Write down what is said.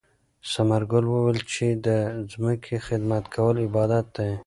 ثمر ګل وویل چې د ځمکې خدمت کول عبادت دی.